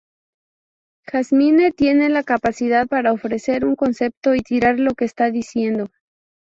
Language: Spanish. Jasmine tiene la capacidad para ofrecer un concepto y tirar lo que está diciendo.